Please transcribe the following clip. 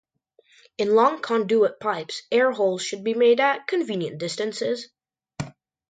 In long conduit pipes, air-holes should be made at convenient distances.